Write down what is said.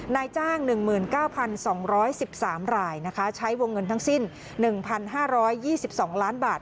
นายจ้าง๑๙๒๑๓รายนะคะใช้วงเงินทั้งสิ้น๑๕๒๒ล้านบาท